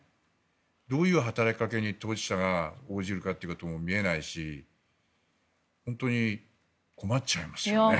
どういう働きかけに当事者が応じるかっていうのも見えないし本当に困っちゃいますよね。